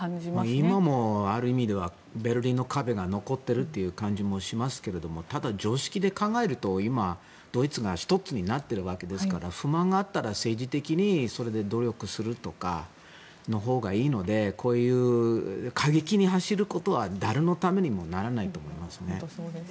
今もある意味ではベルリンの壁が残ってるという感じもしますけどただ常識で考えると今、ドイツが１つになっているわけですから不満があったら政治的に努力するとかのほうがいいのでこういう過激に走ることは誰のためにもならないと思います。